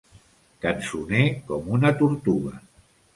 Cançoner com una tortuga.